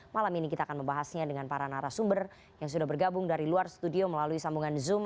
malam ini kita akan membahasnya dengan para narasumber yang sudah bergabung dari luar studio melalui sambungan zoom